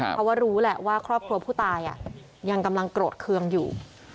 เพราะว่ารู้แหละว่าครอบครัวผู้ตายยังกำลังโกรธเคืองอยู่